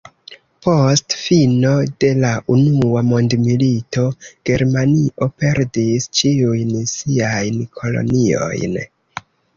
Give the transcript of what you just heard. Post fino de la unua mondmilito, Germanio perdis ĉiujn siajn koloniojn.